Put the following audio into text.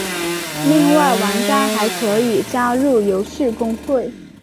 另外玩家还可以加入游戏公会。